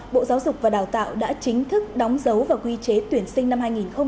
bộ giáo dục và đào tạo đã chính thức đóng dấu và quy chế tuyển sinh năm hai nghìn hai mươi